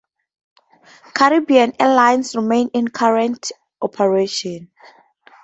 Caribbean Airlines remains in current operation.